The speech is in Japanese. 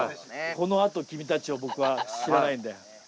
このあと君たちを僕は知らないんだよ。